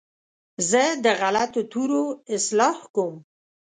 زه د غلطو تورو اصلاح کوم.